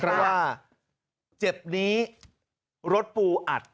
เพราะว่าเจ็บนี้รถปูอัด